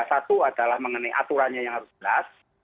satu adalah mengenai aturannya yang harus jelas